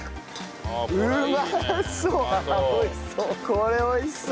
これ美味しそう。